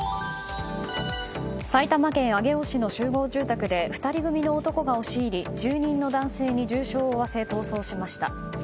埼玉県上尾市の集合住宅で２人組の男が押し入り住人の男性に重傷を負わせ逃走しました。